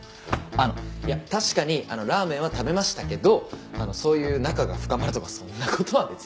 あのいや確かにラーメンは食べましたけどそういう仲が深まるとかそんな事は別に。